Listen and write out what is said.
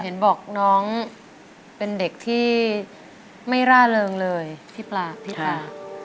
เห็นบอกน้องเป็นเด็กที่ไม่ร่าเริงเลยพี่ปลาพี่ปลา